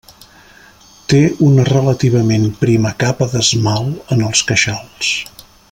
Té una relativament prima capa d'esmalt en els queixals.